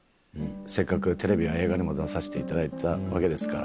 せっかくテレビや映画にも出させていただいたわけですから。